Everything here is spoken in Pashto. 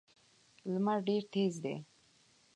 لمر ډېر تېز دی.